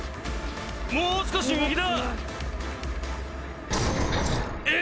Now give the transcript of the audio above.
もう少し右だ。